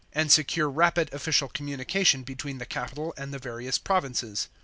67 and secure rapid official communication between the capital and the various provinces.